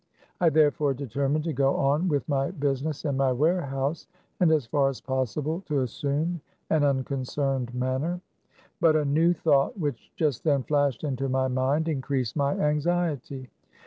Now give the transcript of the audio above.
I therefore determined to go on with my busi ness in my warehouse, and as far as possible to assume an unconcerned manner. But a new thought which just then flashed into my mind, increased my anxiety.